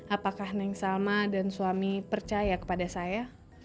apakah neng salma dan suami percaya kepada saya